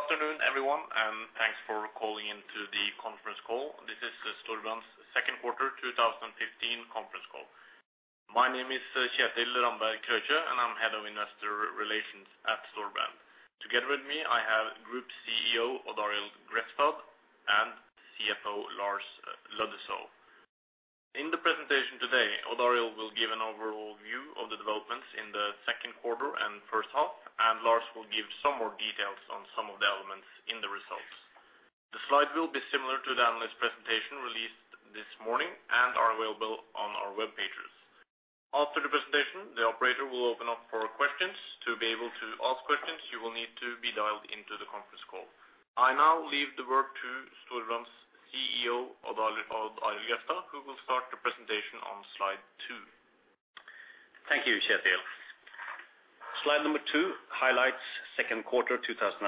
Good afternoon, everyone, and thanks for calling into the conference call. This is Storebrand's second quarter 2015 conference call. My name is Kjetil Ramberg Krøkje, and I'm Head of Investor Relations at Storebrand. Together with me, I have Group CEO Odd Arild Grefstad and CFO Lars Aa. Løddesøl. In the presentation today, Odd Arild will give an overall view of the developments in the second quarter and first half, and Lars will give some more details on some of the elements in the results. The slides will be similar to the analyst presentation released this morning, and they are available on our web pages. After the presentation, the operator will open up for questions. To be able to ask questions, you will need to be dialed into the conference call. I now leave the word to Storebrand's CEO Odd Arild Grefstad, who will start the presentation on slide two. Thank you, Kjetil. Slide number two, highlights second quarter, 2015.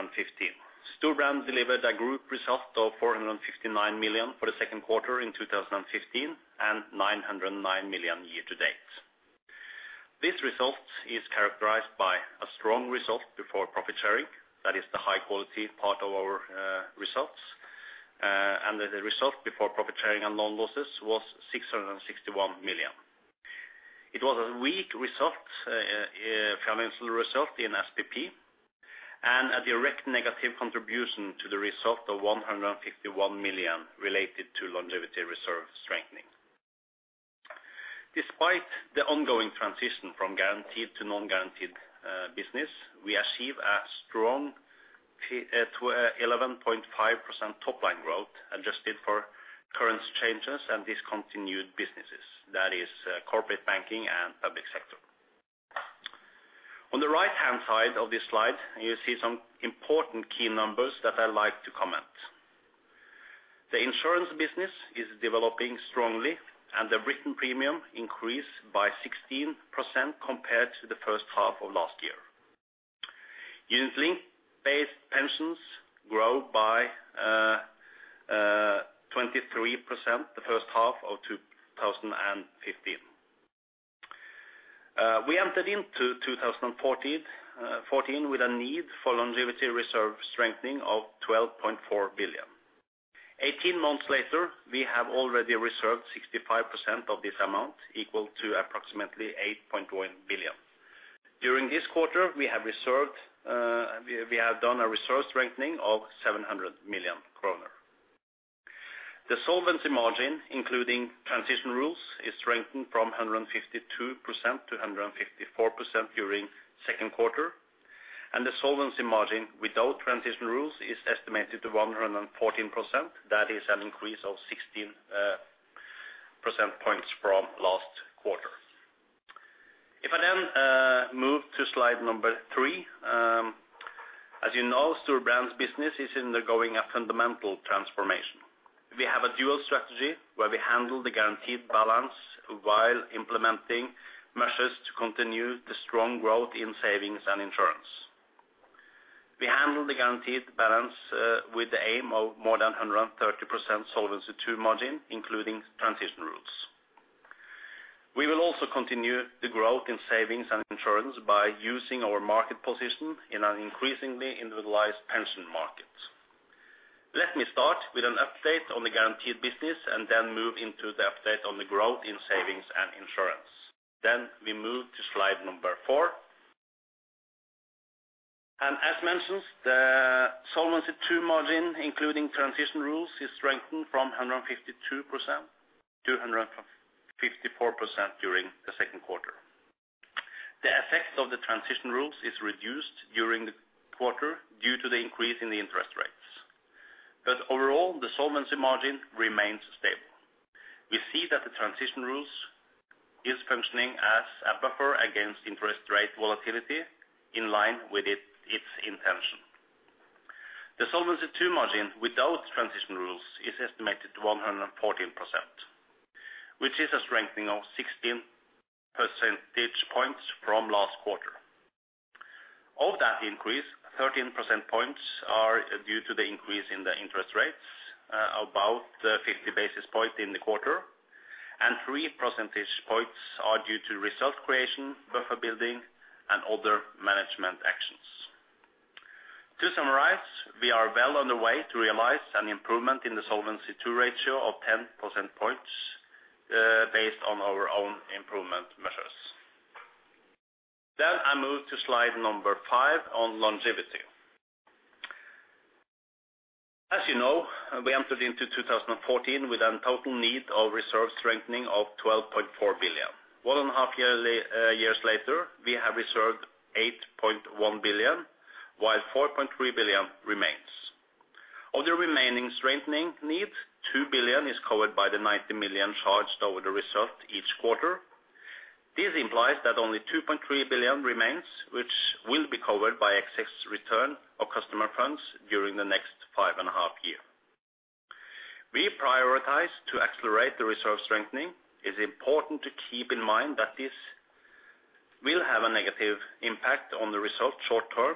Storebrand delivered a group result of 459 million for the second quarter in 2015, and 909 million year to date. This result is characterized by a strong result before profit sharing. That is the high quality part of our results. And the result before profit sharing and loan losses was 661 million. It was a weak result, financial result in SPP, and a direct negative contribution to the result of 151 million related to longevity reserve strengthening. Despite the ongoing transition from guaranteed to non-guaranteed business, we achieve a strong 11.5% top line growth, adjusted for current changes and discontinued businesses. That is, corporate banking and public sector. On the right-hand side of this slide, you see some important key numbers that I like to comment. The insurance business is developing strongly, and the written premium increased by 16% compared to the first half of last year. Unit-linked based pensions grow by 23%, the first half of 2015. We entered into 2014 with a need for longevity reserve strengthening of 12.4 billion. Eighteen months later, we have already reserved 65% of this amount, equal to approximately 8.1 billion. During this quarter, we have done a reserve strengthening of 700 million kroner. The solvency margin, including transition rules, is strengthened from 152%-154% during second quarter, and the solvency margin without transition rules is estimated to 114%. That is an increase of 16% points from last quarter. If I then move to slide number three, as you know, Storebrand's business is undergoing a fundamental transformation. We have a dual strategy, where we handle the guaranteed balance while implementing measures to continue the strong growth in savings and insurance. We handle the guaranteed balance with the aim of more than 130% Solvency II margin, including transition rules. We will also continue the growth in savings and insurance by using our market position in an increasingly individualized pension market. Let me start with an update on the guaranteed business, and then move into the update on the growth in savings and insurance. Then we move to slide number four. And as mentioned, the Solvency II margin, including transition rules, is strengthened from 152% to 154% during the second quarter. The effect of the transition rules is reduced during the quarter due to the increase in the interest rates. But overall, the solvency margin remains stable. We see that the transition rules is functioning as a buffer against interest rate volatility in line with it, its intention. The Solvency II margin without transition rules is estimated to 114%, which is a strengthening of 16 percentage points from last quarter. Of that increase, 13 percentage points are due to the increase in the interest rates, about 50 basis points in the quarter, and 3 percentage points are due to result creation, buffer building, and other management actions. To summarize, we are well on the way to realize an improvement in the Solvency II ratio of 10 percentage points, based on our own improvement measures. Then I move to slide number five on longevity. As you know, we entered into 2014 with a total need of reserve strengthening of 12.4 billion. One and a half years later, we have reserved 8.1 billion, while 4.3 billion remains. Of the remaining strengthening needs, 2 billion is covered by the 90 million charged over the result each quarter. This implies that only 2.3 billion remains, which will be covered by excess return of customer funds during the next five and a half year. We prioritize to accelerate the reserve strengthening. It's important to keep in mind that this will have a negative impact on the results short term.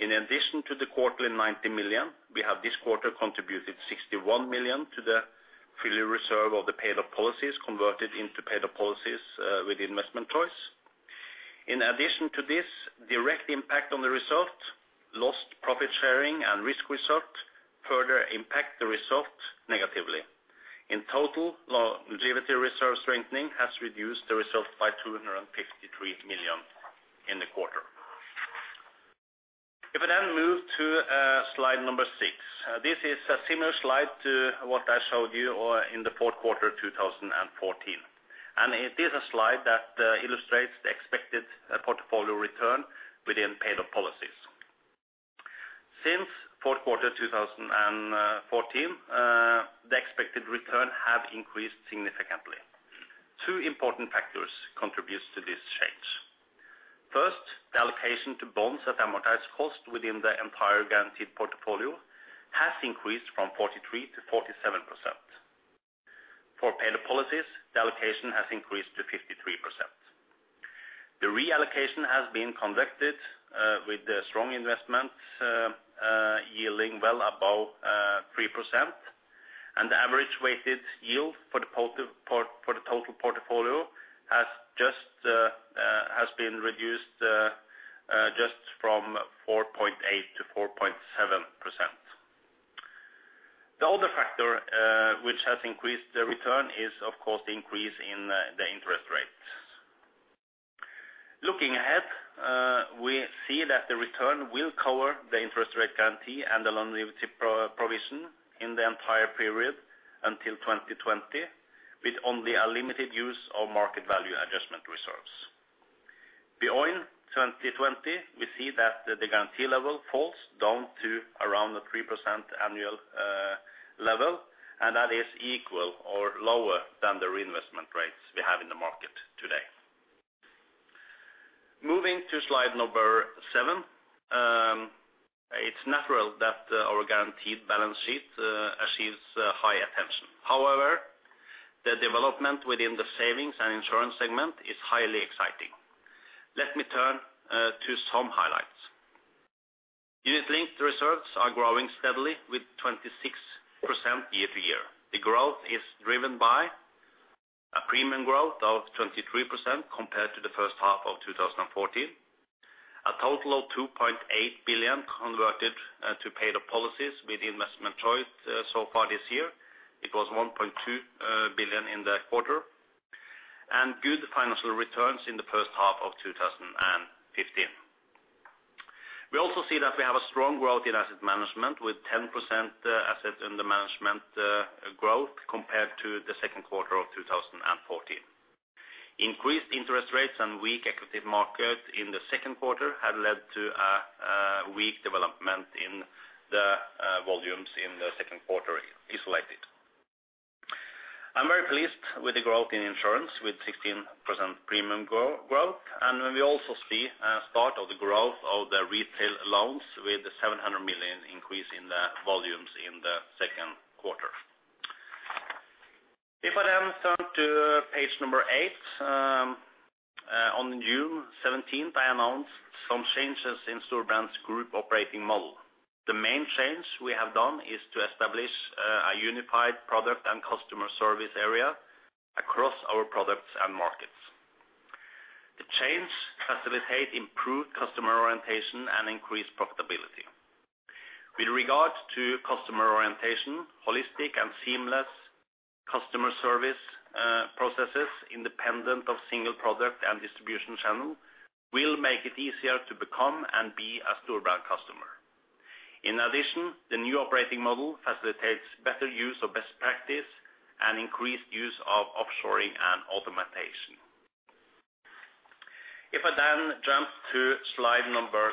In addition to the quarterly 90 million, we have this quarter contributed 61 million to the full reserve of the paid-up policies, converted into paid-up policies with investment choice. In addition to this direct impact on the result, lost profit sharing and risk result further impact the result negatively. In total, longevity reserve strengthening has reduced the result by 253 million in the quarter. If I then move to slide six, this is a similar slide to what I showed you in the fourth quarter 2014. It is a slide that illustrates the expected portfolio return within paid-up policies. Since fourth quarter 2014, the expected return has increased significantly. Two important factors contributes to this change. First, the allocation to bonds at amortized cost within the entire guaranteed portfolio has increased from 43%-47%. For paid-up policies, the allocation has increased to 53%. The reallocation has been conducted with the strong investment yielding well above 3%, and the average weighted yield for the total portfolio has just been reduced just from 4.8%-4.7%. The other factor which has increased the return is, of course, the increase in the interest rates. Looking ahead, we see that the return will cover the interest rate guarantee and the longevity provision in the entire period until 2020, with only a limited use of market value adjustment reserves. Beyond 2020, we see that the guarantee level falls down to around the 3% annual level, and that is equal or lower than the reinvestment rates we have in the market today. Moving to slide number seven, it's natural that our guaranteed balance sheet achieves high attention. However, the development within the savings and insurance segment is highly exciting. Let me turn to some highlights. Unit-linked reserves are growing steadily with 26% year-to-year. The growth is driven by a premium growth of 23% compared to the first half of 2014. A total of 2.8 billion converted to paid-up policies with the investment choice so far this year. It was 1.2 billion in the quarter, and good financial returns in the first half of 2015. We also see that we have a strong growth in asset management, with 10% assets under management growth compared to the second quarter of 2014. Increased interest rates and weak equity market in the second quarter have led to a weak development in the volumes in the second quarter isolated. I'm very pleased with the growth in insurance, with 16% premium growth, and we also see a start of the growth of the retail loans, with 700 million increase in the volumes in the second quarter. If I then turn to page number eight, on June 17th, I announced some changes in Storebrand's Group Operating Model. The main change we have done is to establish a unified product and customer service area across our products and markets. The change facilitate improved customer orientation and increased profitability. With regard to customer orientation, holistic and seamless customer service processes, independent of single product and distribution channel, will make it easier to become and be a Storebrand customer. In addition, the new operating model facilitates better use of best practice and increased use of offshoring and automation. If I then jump to slide number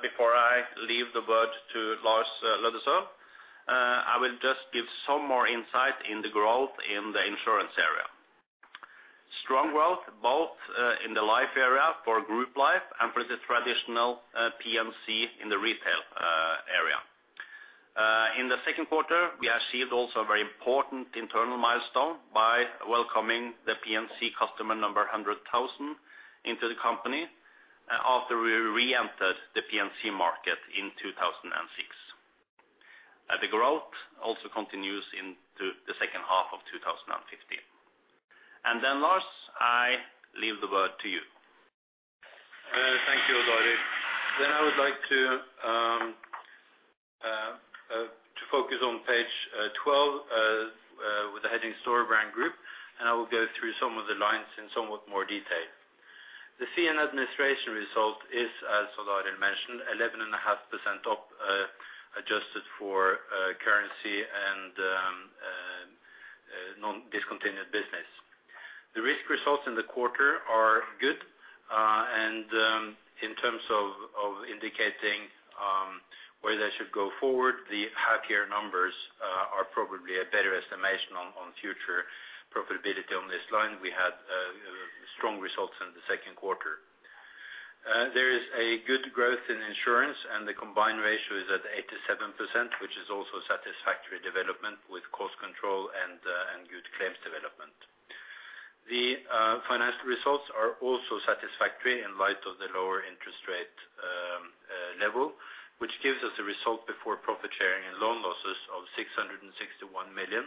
10, before I leave the word to Lars Løddesøl, I will just give some more insight in the growth in the insurance area. Strong growth, both, in the life area for group life and for the traditional, P&C in the retail, area. In the second quarter, we achieved also a very important internal milestone by welcoming the P&C customer number 100,000 into the company, after we reentered the P&C market in 2006. The growth also continues into the second half of 2015. And then, Lars, I leave the word to you. Thank you, Odd Arild. Then I would like to focus on page 12 with the heading Storebrand Group, and I will go through some of the lines in somewhat more detail. The fee and administration result is, as Odd Arild mentioned, 11.5% up, adjusted for currency and non-discontinued business. The risk results in the quarter are good, and in terms of indicating where they should go forward, the half year numbers are probably a better estimation on future profitability on this line. We had strong results in the second quarter. There is a good growth in insurance, and the combined ratio is at 87%, which is also satisfactory development with cost control and good claims development. The financial results are also satisfactory in light of the lower interest rate environment level, which gives us a result before profit sharing and loan losses of 661 million,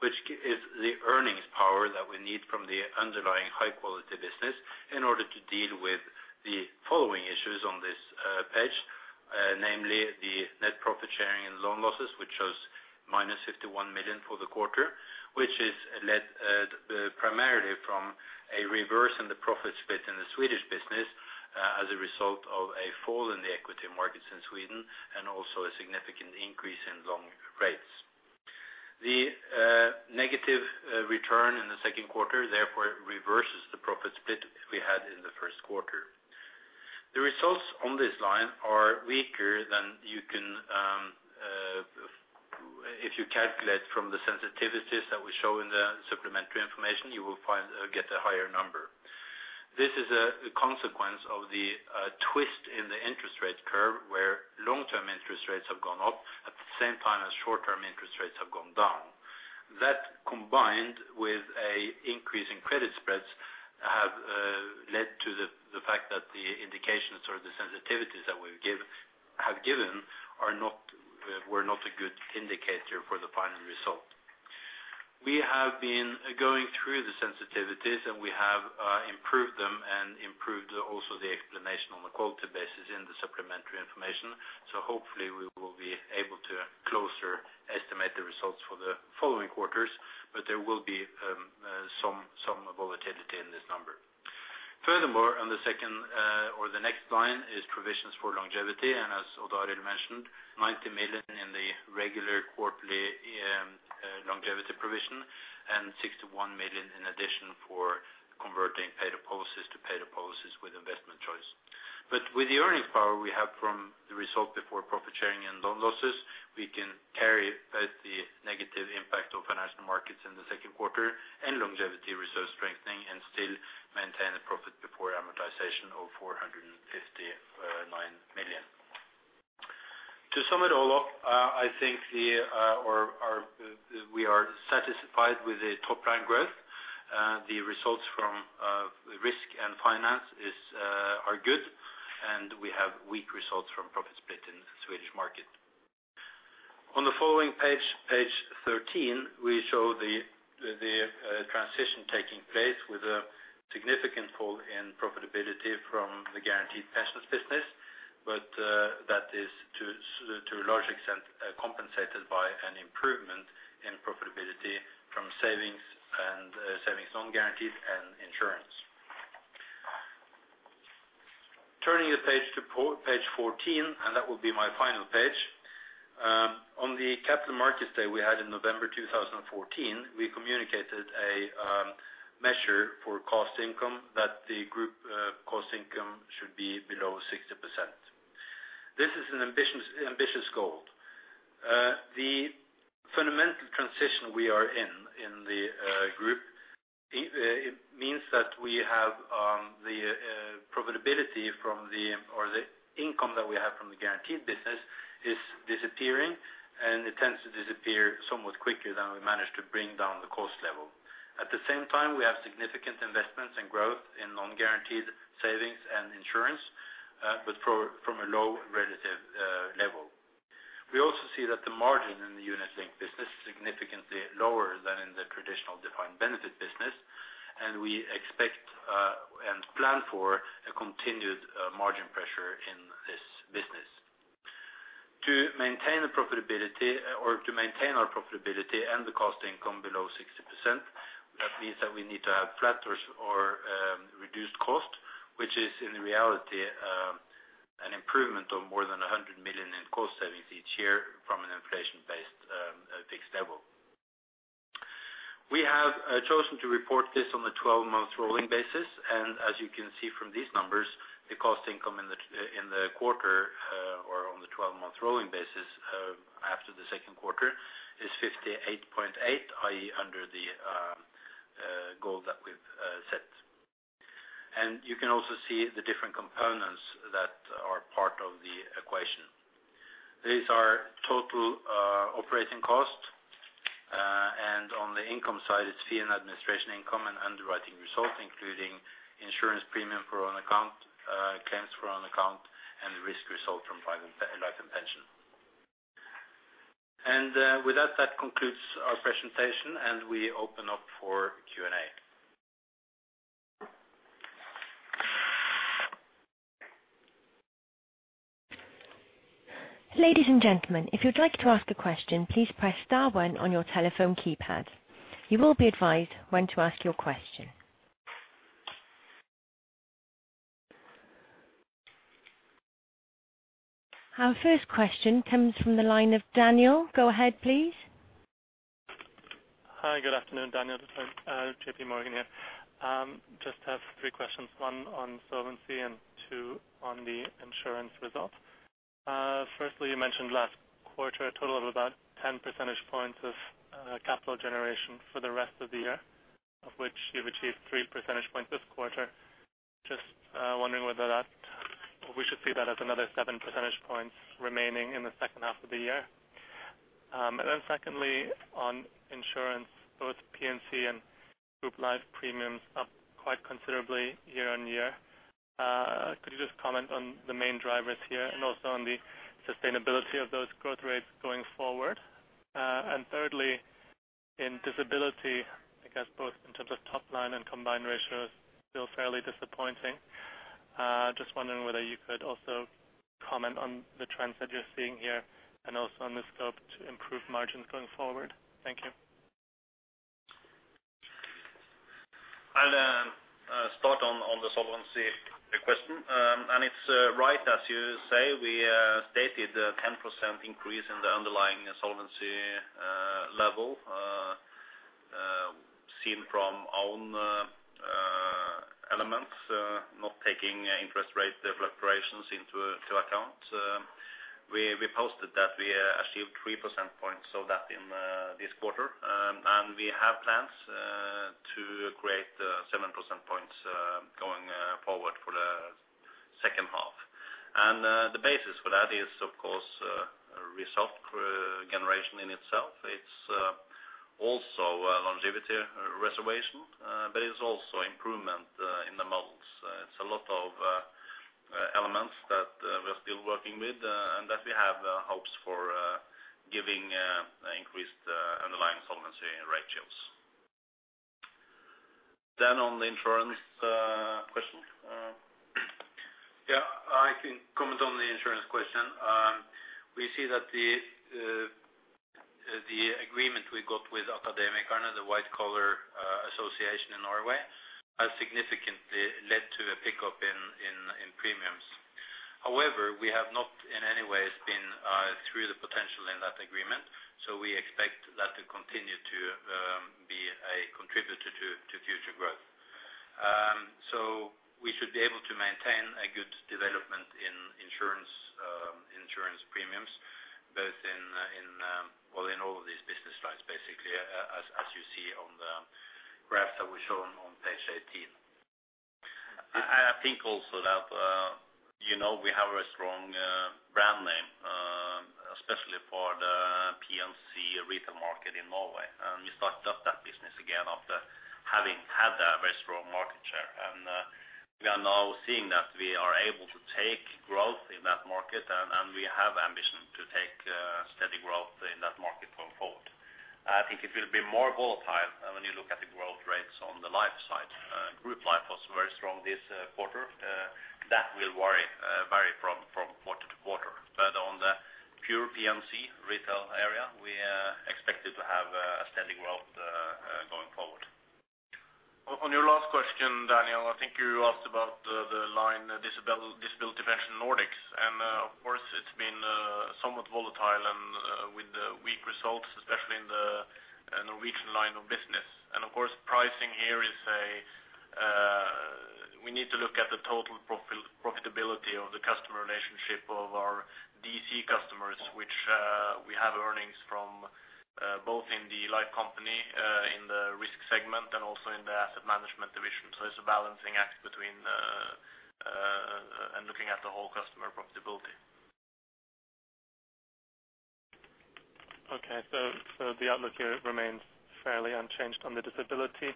which is the earnings power that we need from the underlying high-quality business in order to deal with the following issues on this page. Namely, the net profit sharing and loan losses, which shows -51 million for the quarter, which is led primarily from a reverse in the profit split in the Swedish business as a result of a fall in the equity markets in Sweden, and also a significant increase in loan rates. The negative return in the second quarter, therefore, reverses the profit split we had in the first quarter. The results on this line are weaker than you can if you calculate from the sensitivities that we show in the supplementary information, you will find get a higher number. This is a consequence of the twist in the interest rate curve, where long-term interest rates have gone up at the same time as short-term interest rates have gone down. That, combined with an increase in credit spreads, have led to the fact that the indications or the sensitivities that we've given are not were not a good indicator for the final result. We have been going through the sensitivities, and we have improved them and improved also the explanation on the quoted basis in the supplementary information. So hopefully, we will be able to closer estimate the results for the following quarters, but there will be some volatility in this number. Furthermore, on the second or the next line, is provisions for longevity, and as Odd mentioned, 90 million in the regular quarterly longevity provision, and 61 million in addition for converting paid-up policies to paid-up policies with investment choice. But with the earnings power we have from the result before profit sharing and loan losses, we can carry both the negative impact of financial markets in the second quarter and longevity reserve strengthening, and still maintain a profit before amortization of 459 million. To sum it all up, I think the or our, we are satisfied with the top line growth. The results from risk and finance are good, and we have weak results from profit split in the Swedish market. On the following page, page 13, we show the transition taking place with a significant fall in profitability from the guaranteed pensions business. But that is to a large extent compensated by an improvement in profitability from savings, and savings non-guaranteed, and insurance. Turning the page to page 14, and that will be my final page. On the Capital Markets Day we had in November 2014, we communicated a measure for cost income that the group cost income should be below 60%. This is an ambitious goal. The fundamental transition we are in, in the group, it means that we have the profitability from the or the income that we have from the guaranteed business is disappearing, and it tends to disappear somewhat quicker than we manage to bring down the cost level. At the same time, we have significant investments and growth in non-guaranteed savings and insurance, but from a low relative level. We also see that the margin in the unit-linked business is significantly lower than in the traditional defined benefit business, and we expect and plan for a continued margin pressure in this business. To maintain the profitability or to maintain our profitability and the cost income below 60%, that means that we need to have flat or reduced cost, which is, in reality, an improvement of more than 100 million in cost savings each year from an inflation-based fixed level. We have chosen to report this on a twelve-month rolling basis, and as you can see from these numbers, the cost income in the quarter or on the 12 month rolling basis after the second quarter is 58.8, i.e., under the goal that we've set. And you can also see the different components that are part of the equation. These are total operating costs, and on the income side, it's fee and administration income and underwriting results, including insurance premium for own account, claims for own account, and the risk result from life and pension. With that, that concludes our presentation, and we open up for Q&A. Ladies and gentlemen, if you'd like to ask a question, please press star one on your telephone keypad. You will be advised when to ask your question. Our first question comes from the line of Daniel. Go ahead, please. Hi, good afternoon, Daniel, JPMorgan here. Just have three questions, one on solvency and two on the insurance results. Firstly, you mentioned last quarter a total of about 10 percentage points of capital generation for the rest of the year, of which you've achieved three percentage points this quarter. Just wondering whether that we should see that as another seven percentage points remaining in the second half of the year? And then secondly, on insurance, both P&C and group life premiums up quite considerably year-on-year. Could you just comment on the main drivers here and also on the sustainability of those growth rates going forward? And thirdly, in disability, I guess both in terms of top line and combined ratios, still fairly disappointing. Just wondering whether you could also comment on the trends that you're seeing here and also on the scope to improve margins going forward. Thank you. I'll start on the solvency question. And it's right, as you say, we stated a 10% increase in the underlying solvency level seen from own elements not taking interest rate fluctuations into account. We posted that we achieved threepercentage points, so that in this quarter. And we have plans to create seven percentage points going forward for the second half. And the basis for that is, of course, result generation in itself. It's also a longevity reservation, but it's also improvement in the models. It's a lot of elements that we're still working with, and that we have hopes for giving increased underlying solvency ratios. Then on the insurance question. Yeah, I can comment on the insurance question. We see that the agreement we got with Akademikerne, the White Collar Association in Norway, has significantly led to a pickup in premiums. However, we have not in any way been through the potential in that agreement, so we expect that to continue to be a contributor to future growth. So we should be able to maintain a good development in insurance premiums, both in, well, in all of these business lines, basically, as you see on the graphs that we've shown on page 18. I think also that, you know, we have a strong brand name, especially for the P&C retail market in Norway, and we started up that business again after having had a very strong market share. And, we are now seeing that we are able to take growth in that market, and, and we have ambition to take, steady growth in that market going forward. I think it will be more volatile when you look at the growth rates on the life side. Group life was very strong this quarter. That will vary from, from quarter-to-quarter. But on the pure P&C retail area, we expected to have, a steady growth, going forward. On your last question, Daniel, I think you asked about the life disability pension Nordics, and, of course, it's been, somewhat volatile and, with the weak results, especially in the Norwegian line of business. Of course, pricing here is a we need to look at the total profitability of the customer relationship of our DC customers, which we have earnings from both in D Life Company in the risk segment and also in the asset management division. So it's a balancing act between the and looking at the whole customer profitability. Okay. So the outlook here remains fairly unchanged on the disability,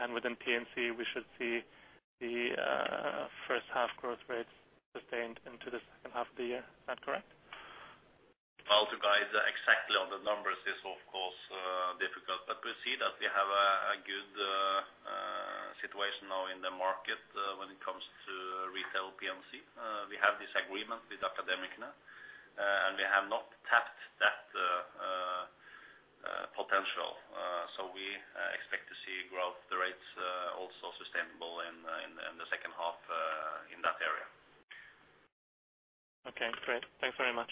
and within P&C, we should see the first half growth rates sustained into the second half of the year. Is that correct? Well, to guide exactly on the numbers is, of course, difficult, but we see that we have a good situation now in the market, when it comes to retail P&C. We have this agreement with Akademikerne, and we have not tapped that potential, so we expect to see growth rates, also sustainable in the second half, in that area. Okay, great. Thanks very much.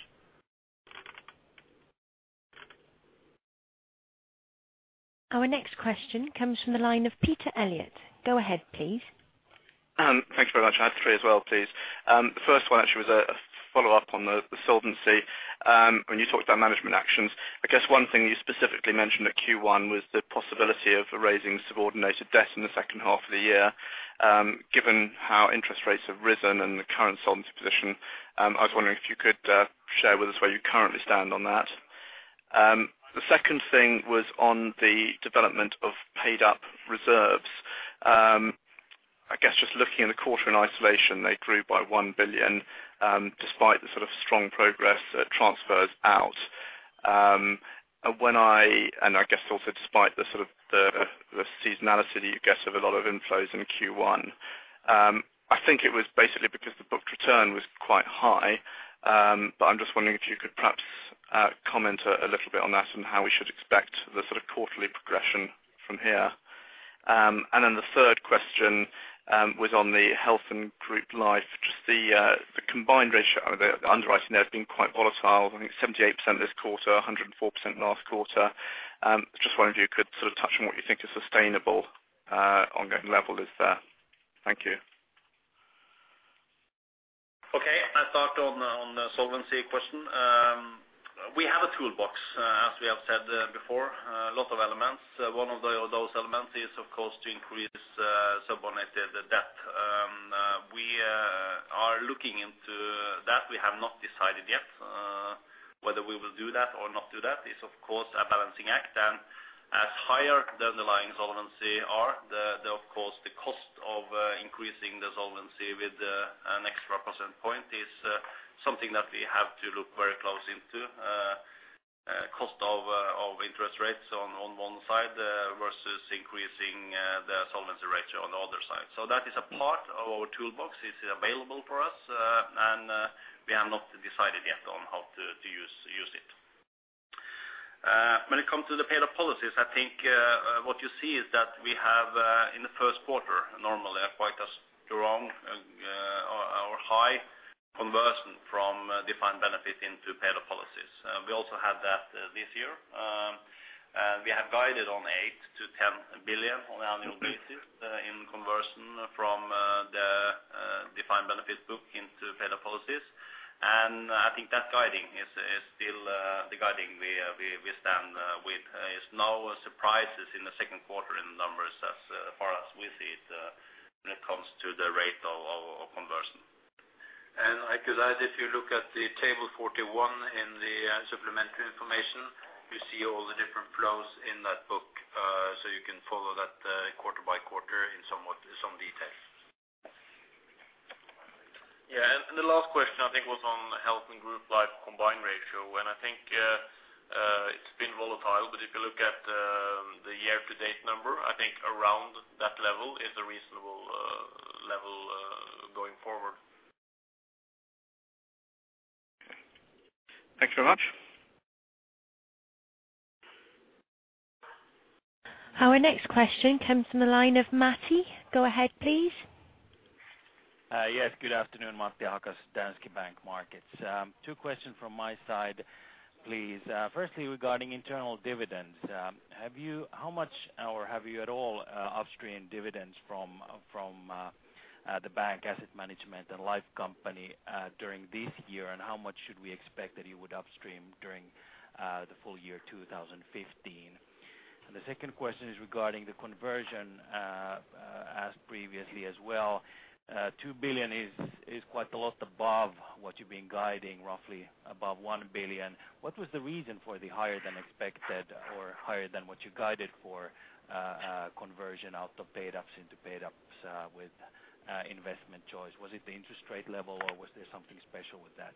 Our next question comes from the line of Peter Elliott. Go ahead, please. Thank you very much. I have three as well, please. The first one actually was a follow-up on the solvency. When you talked about management actions, I guess one thing you specifically mentioned at Q1 was the possibility of raising subordinated debt in the second half of the year. Given how interest rates have risen and the current solvency position, I was wondering if you could share with us where you currently stand on that. The second thing was on the development of paid-up reserves. I guess just looking at the quarter in isolation, they grew by 1 billion, despite the sort of strong progress, transfers out. And when I, and I guess also despite the sort of the seasonality, you guess, of a lot of inflows in Q1. I think it was basically because the book return was quite high, but I'm just wondering if you could perhaps comment a little bit on that and how we should expect the sort of quarterly progression from here. And then the third question was on the health and group life. Just the, the combined ratio, the underwriting there has been quite volatile, I think 78% this quarter, 104% last quarter. Just wondering if you could sort of touch on what you think is sustainable, ongoing level is there. Thank you. Okay. I'll start on the, on the solvency question. We have a toolbox, as we have said before, a lot of elements. One of those elements is, of course, to increase subordinated debt. We are looking into that. We have not decided yet, whether we will do that or not do that it's, of course, a balancing act, and as higher the underlying solvency are, of course, the cost of increasing the solvency with an extra percentage point is something that we have to look very close into. Cost of interest rates on one side versus increasing the solvency ratio on the other side. So that is a part of our toolbox. It's available for us, and we have not decided yet on how to use it. When it comes to the paid-up policies, I think what you see is that we have in the first quarter normally are quite a strong or high conversion from defined benefits into paid-up policies. We also had that this year. And we have guided on 8 billion-10 billion on an annual basis in conversion from the defined benefits book into paid-up policies. And I think that guiding is still the guiding we stand with. Is no surprises in the second quarter in the numbers as far as we see it when it comes to the rate of conversion. I could add, if you look at the table 41 in the supplementary information, you see all the different flows in that book, so you can follow that quarter by quarter in some detail. Yeah, and the last question, I think, was on the health and group life combined ratio, and I think it's been volatile. But if you look at the year-to-date number, I think around that level is a reasonable level going forward. Okay. Thanks very much. Our next question comes from the line of Matti. Go ahead, please. Yes, good afternoon, Matti Ahokas, Danske Bank Markets. Two questions from my side, please. Firstly, regarding internal dividends, have you, how much, or have you at all, upstreamed dividends from the bank asset management and life company, during this year? And how much should we expect that you would upstream during the full year, 2015? And the second question is regarding the conversion, asked previously as well. 2 billion is quite a lot above what you've been guiding, roughly above 1 billion. What was the reason for the higher than expected or higher than what you guided for, conversion out of paid ups into paid ups with investment choice? Was it the interest rate level, or was there something special with that?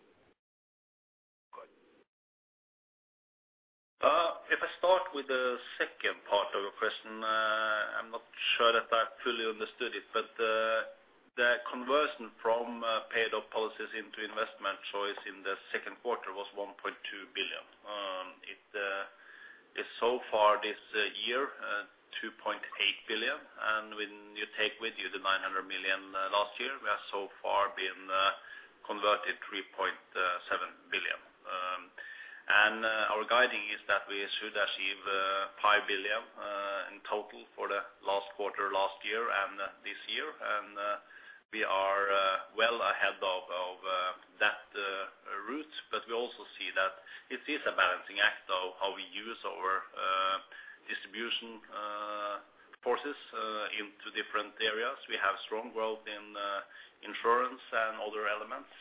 If I start with the second part of your question, I'm not sure that I fully understood it, but the conversion from paid up policies into investment choice in the second quarter was 1.2 billion. It is so far this year, 2.8 billion, and when you take with you the 900 million last year, we have so far been converted 3.7 billion. And our guiding is that we should achieve 5 billion in total for the last quarter, last year and this year. And we are well ahead of that route. But we also see that it is a balancing act of how we use our distribution forces into different areas. We have strong growth in insurance and other elements,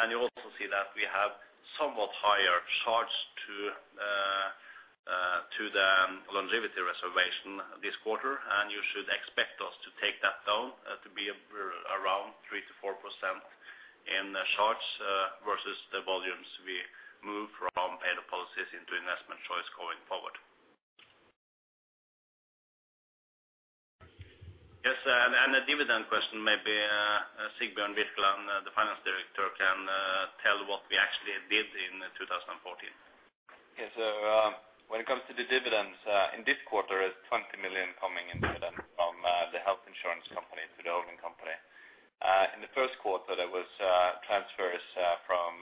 and you also see that we have somewhat higher charge to the longevity reservation of this quarter. You should expect us to take that down to be around 3%-4% in the charges versus the volumes we move from paid-up policies into investment choice going forward. Yes, and the dividend question, maybe Sigbjørn Birkeland, the Finance Director, can tell what we actually did in 2014. Yes, when it comes to the dividends, in this quarter, it's 20 million coming in dividend from the health insurance company to the holding company. In the first quarter, there was transfers from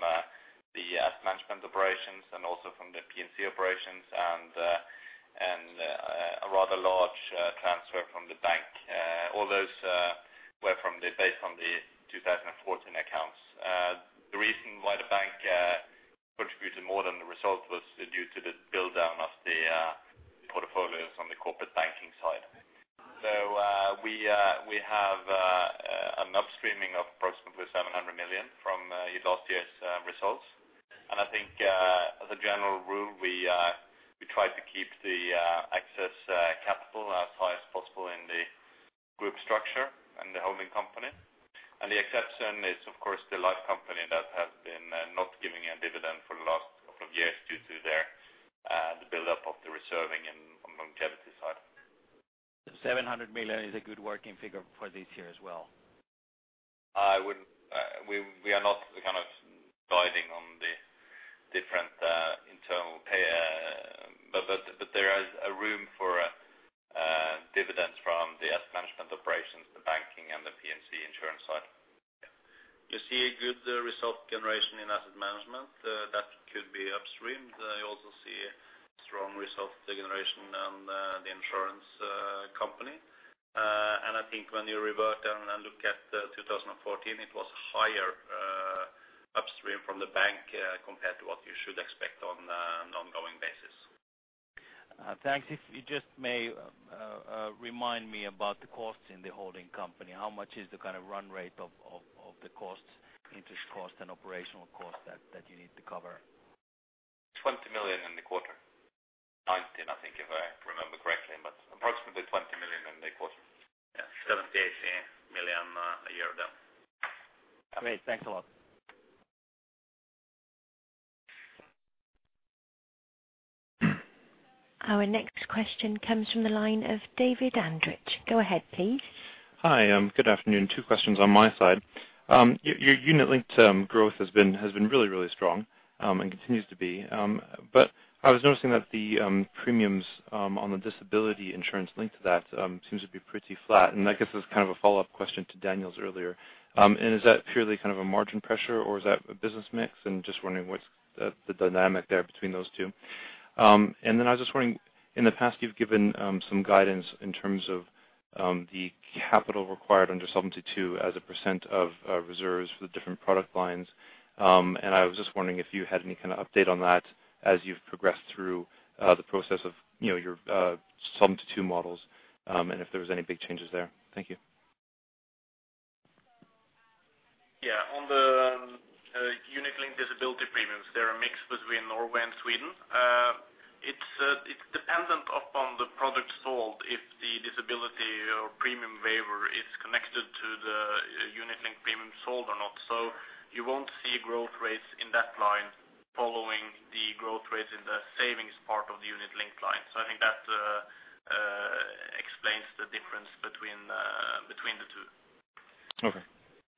the asset management operations and also from the P&C operations, and a rather large transfer from the bank. All those were from the, based on the 2014 accounts. The reason why the bank contributed more than the result was due to the build-down of the portfolios on the corporate banking side. So, we have an upstreaming of approximately 700 million from last year's results. And I think, as a general rule, we, we try to keep the, access, capital as high as possible in the group structure and the holding company. And the exception is, of course, D Life Company that has been, not giving a dividend for the last couple of years due to their, the buildup of the reserving in, on longevity side. 700 million is a good working figure for this year as well? We are not kind of guiding on the different internal pay, but there is a room for dividends from the asset management operations, the banking and the P&C insurance side. You see a good result generation in asset management that could be upstreamed. I also see strong result, the generation and the insurance company. And I think when you revert and look at 2014, it was higher upstream from the bank compared to what you should expect ongoing basis. Thanks, if you just may, remind me about the costs in the holding company, how much is the kind of run rate of the costs, interest costs and operational costs that you need to cover? 20 million in the quarter. 90, I think, if I remember correctly, but approximately 20 million in the quarter. Yeah. 70 million-80 million a year, though. Great. Thanks a lot. Our next question comes from the line of David Andrich. Go ahead, please. Hi, good afternoon. Two questions on my side, your unit-linked growth has been really strong and continues to be, but I was noticing that the premiums on the disability insurance linked to that seems to be pretty flat. And I guess that's kind of a follow-up question to Daniel's earlier. And is that purely kind of a margin pressure, or is that a business mix? And just wondering, what's the dynamic there between those two? And then I was just wondering, in the past, you've given some guidance in terms of the capital required under Solvency II as a percent of reserves for the different product lines. I was just wondering if you had any kind of update on that as you've progressed through the process of, you know, your Solvency II models, and if there was any big changes there. Thank you. Yeah. On the Unit-linked Disability premiums, they're a mix between Norway and Sweden. It's dependent upon the product sold, if the disability or premium waiver is connected to the Unit-linked premium sold or not. So you won't see growth rates in that line following the growth rates in the savings part of the unit-linked line. So I think that explains the difference between the two. Okay. If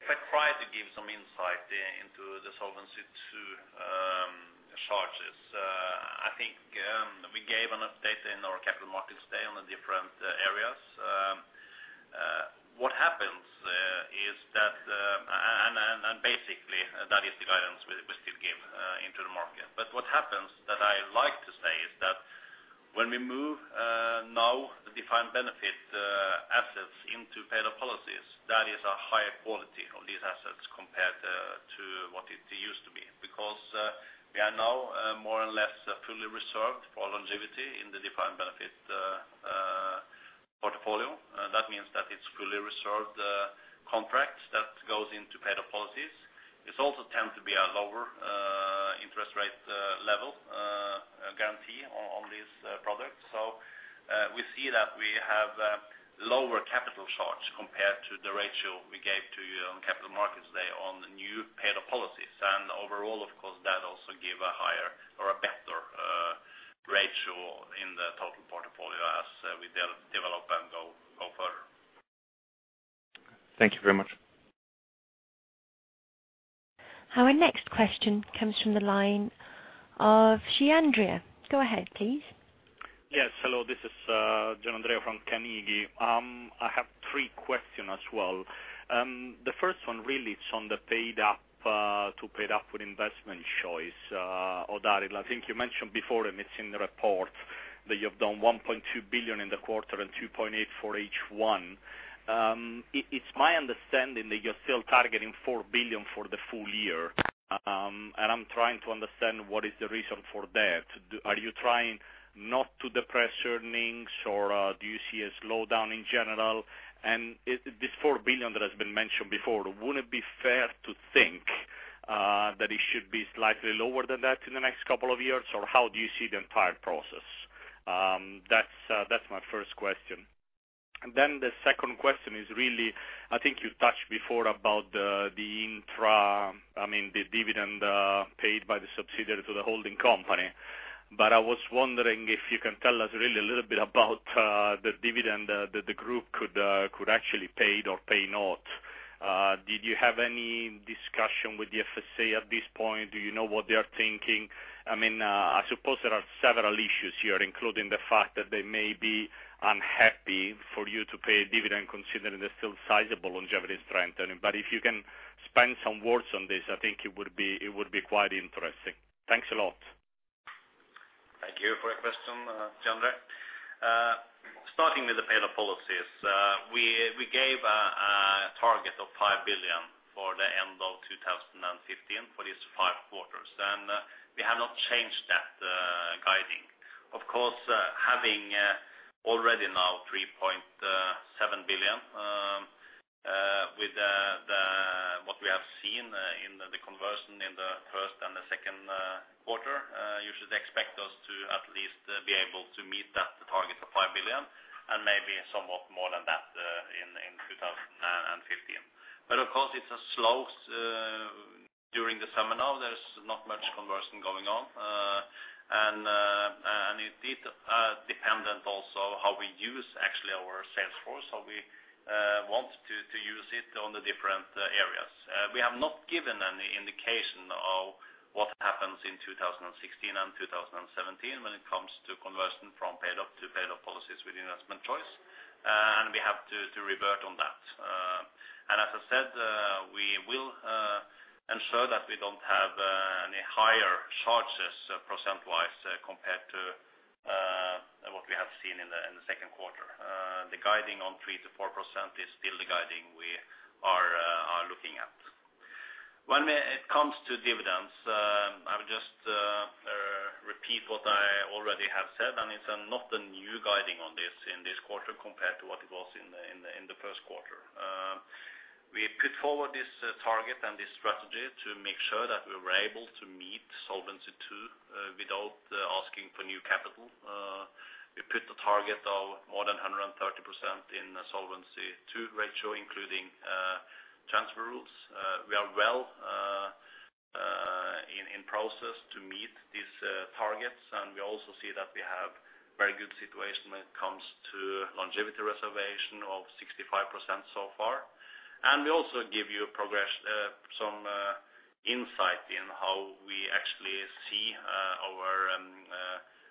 I try to give some insight into the Solvency II charges, I think we gave an update in our Capital Markets Day on the different areas. What happens is that, and basically, that is the guidance we still give into the market. But what happens, that I like to say, is that when we move now the defined benefit assets into paid-up policies, that is a higher quality of these assets compared to what it used to be. Because we are now more or less fully reserved for longevity in the defined benefit portfolio. That means that it's fully reserved contracts that goes into paid-up policies. It's also tend to be a lower interest rate level guarantee on these products. So, we see that we have lower capital charge compared to the ratio we gave to you on Capital Markets Day on the new paid-up policies. And overall, of course, that also give a higher or a better ratio in the total portfolio as we develop and go further. Thank you very much. Our next question comes from the line of Gianandrea. Go ahead, please. Yes, hello. This is, Gianandrea from Carnegie. I have three question as well, the first one really is on the paid-up to paid-up with investment choice. Odd Arild, I think you mentioned before, and it's in the report, that you've done 1.2 billion in the quarter and 2.8 billion for H1. It's my understanding that you're still targeting 4 billion for the full year. And I'm trying to understand what is the reason for that. Are you trying not to depress earnings, or, do you see a slowdown in general? And this 4 billion that has been mentioned before, would it be fair to think, that it should be slightly lower than that in the next couple of years, or how do you see the entire process? That's my first question. And then the second question is really, I think you touched before about the dividend paid by the subsidiary to the holding company. But I was wondering if you can tell us really a little bit about the dividend that the group could actually paid or pay not. Did you have any discussion with the FSA at this point? Do you know what they are thinking? I mean, I suppose there are several issues here, including the fact that they may be unhappy for you to pay a dividend, considering the still sizable longevity strength. But if you can spend some words on this, I think it would be, it would be quite interesting. Thanks a lot. Thank you for your question, Gianandrea. Starting with the paid-up policies, we gave a target of 5 billion for the end of 2015 for these five quarters, and we have not changed that guidance. Of course, having already now 3.7 billion with what we have seen in the conversion in the first and the second quarter, you should expect us to at least be able to meet that target of 5 billion and maybe somewhat more than that in 2015. But of course, it's slow during the summer now; there's not much conversion going on. It is dependent also how we use actually our sales force, so we want to use it on the different areas. We have not given any indication of what happens in 2016 and 2017 when it comes to conversion from paid-up to paid-up policies with investment choice, and we have to revert on that. As I said, we will ensure that we don't have any higher charges percent-wise compared to what we have seen in the second quarter. The guiding on 3%-4% is still the guiding we are are looking at. When it comes to dividends, I would just repeat what I already have said, and it's not a new guiding on this in this quarter compared to what it was in the first quarter. We put forward this target and this strategy to make sure that we were able to meet Solvency II without asking for new capital. We put the target of more than 130% in Solvency II ratio, including transfer rules. We are well in process to meet these targets, and we also see that we have very good situation when it comes to longevity reservation of 65% so far. We also give you progress, some insight in how we actually see our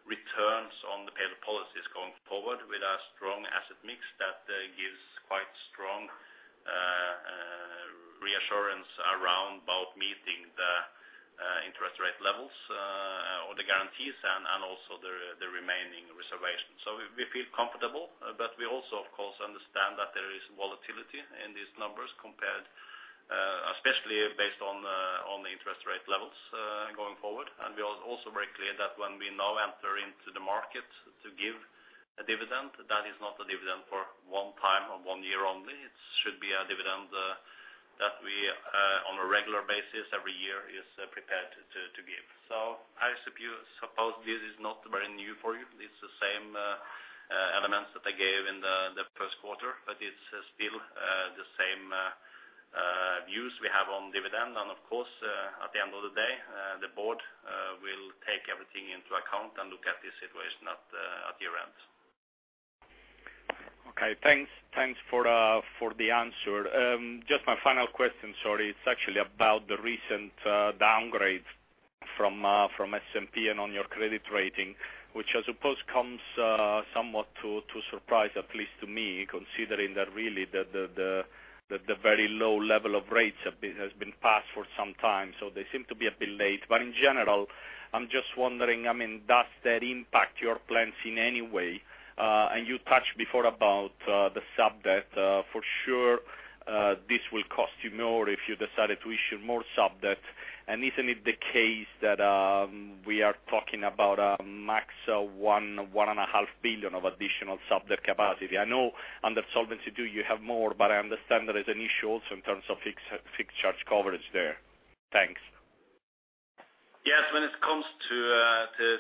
returns on the paid policies going forward with a strong asset mix that gives quite strong reassurance around about meeting the interest rate levels or the guarantees, and also the the remaining reservations. We we feel comfortable, but we also, of course, understand that there is volatility in these numbers compared especially based on on the interest rate levels going forward. We are also very clear that when we now enter into the market to give a dividend, that is not a dividend for one time or one year only. It should be a dividend that we on a regular basis, every year, is prepared to to to give. So I suppose this is not very new for you. It's the same elements that I gave in the first quarter, but it's still the same views we have on dividend. And of course, at the end of the day, the Board will take everything into account and look at the situation at year-end. Okay, thanks. Thanks for the answer. Just my final question, sorry. It's actually about the recent downgrade from S&P on your credit rating, which I suppose comes somewhat to surprise, at least to me, considering that really the very low level of rates has been passed for some time, so they seem to be a bit late. But in general, I'm just wondering, I mean, does that impact your plans in any way? And you touched before about the subdebt. For sure, this will cost you more if you decided to issue more subdebt. And isn't it the case that we are talking about a max of 1-1.5 billion of additional subdebt capacity? I know under Solvency II, you have more, but I understand there is an issue also in terms of fixed, fixed charge coverage there. Thanks. Yes. When it comes to,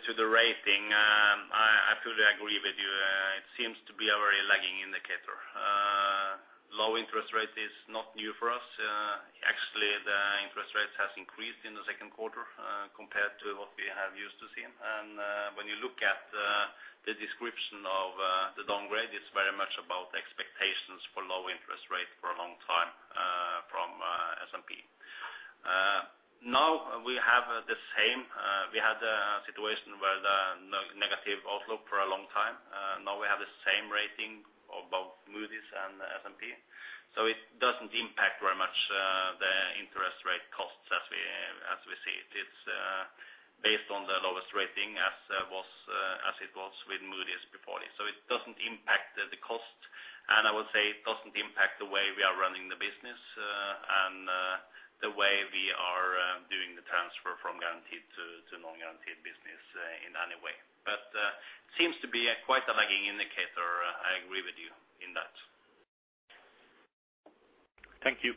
to the rating, I fully agree with you. It seems to be a very lagging indicator. Low interest rate is not new for us. Actually, the interest rate has increased in the second quarter, compared to what we have used to see. And, when you look at the description of the downgrade, it's very much about expectations for low interest rate for a long time, from S&P. Now we have the same, we had a situation where the negative outlook for a long time. Now we have the same rating of both Moody's and S&P. So it doesn't impact very much the interest rate costs as we see it. It's based on the lowest rating as it was with Moody's before this. So it doesn't impact the cost, and I would say it doesn't impact the way we are running the business, and the way we are doing the transfer from guaranteed to non-guaranteed business in any way. But seems to be quite a lagging indicator. I agree with you in that. Thank you.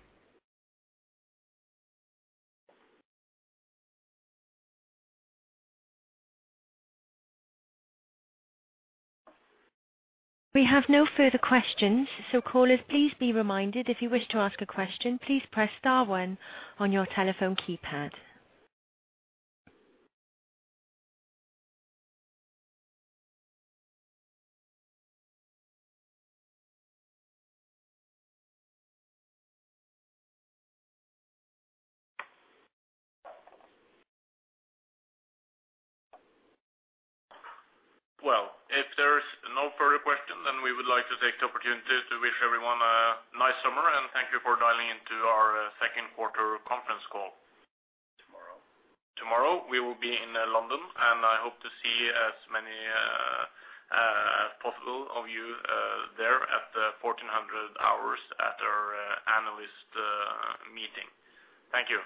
We have no further questions, so callers, please be reminded, if you wish to ask a question, please press star one on your telephone keypad. Well, if there's no further question, then we would like to take the opportunity to wish everyone a nice summer, and thank you for dialing into our second quarter conference call. Tomorrow. Tomorrow, we will be in London, and I hope to see as many as possible of you there at 14:00 hour at our analyst meeting. Thank you.